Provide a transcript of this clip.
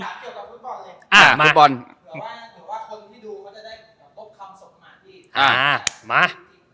ฟุตบอลถือว่างว่าคนที่ดูก็จะได้อ่ะมา